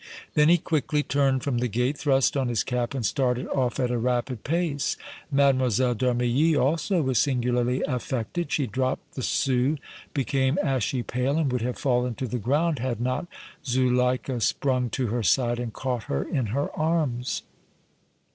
Then he quickly turned from the gate, thrust on his cap and started off at a rapid pace. Mlle. d' Armilly also was singularly affected; she dropped the sous, became ashy pale and would have fallen to the ground had not Zuleika sprung to her side and caught her in her arms.